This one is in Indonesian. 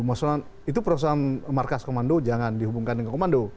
maksudnya itu perusahaan markas komando jangan dihubungkan dengan komando